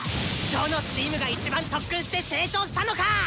どのチームが一番特訓して成長したのか！